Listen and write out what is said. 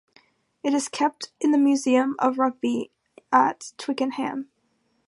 It is kept in the Museum of Rugby at Twickenham.